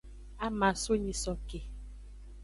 Ama aso nyisoke.